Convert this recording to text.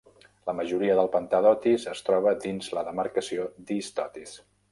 La majoria del pantà d'Otis es troba dins la demarcació d'East Otis.